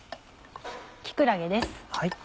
木くらげです。